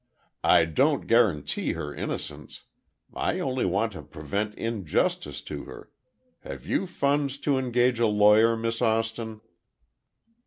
"I don't guarantee her innocence—I only want to prevent injustice to her. Have you funds to engage a lawyer, Miss Austin?"